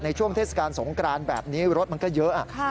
ช่วงเทศกาลสงกรานแบบนี้รถมันก็เยอะ